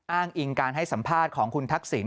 อ้างอิงการให้สัมภาษณ์ของคุณทักษิณ